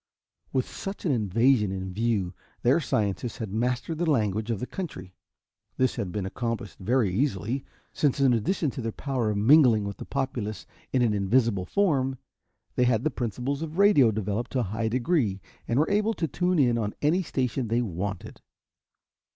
With such an invasion in view, their scientists had mastered the language of the country. This had been accomplished very easily, since in addition to their power of mingling with the populace in an invisible form, they had the principles of radio developed to a high degree and were able to tune in on any station they wanted.